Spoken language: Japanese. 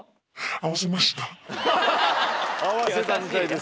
合わせたみたいですよ。